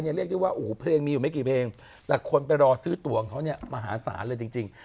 เรียกเชียวว่าปเพลงมีหรือไม่กี่เพลงแต่คนไปรอซื้อตวงเขาเนี่ยมหาสารเลยจริง